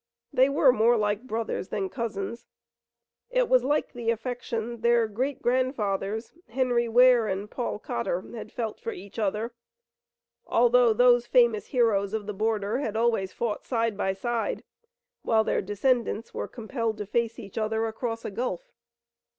They were more like brothers than cousins. It was like the affection their great grandfathers, Henry Ware and Paul Cotter, had felt for each other, although those famous heroes of the border had always fought side by side, while their descendants were compelled to face each other across a gulf.